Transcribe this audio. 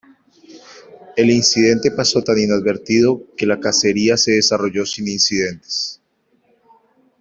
El incidente pasó tan inadvertido que la cacería se desarrolló sin incidentes.